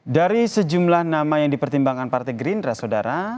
dari sejumlah nama yang dipertimbangkan partai gerindra saudara